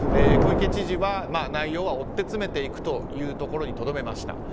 小池知事は、内容は追って詰めていくというところにとどめました。